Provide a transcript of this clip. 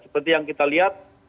seperti yang kita lihat